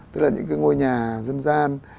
tức là những cái ngôi nhà dân gian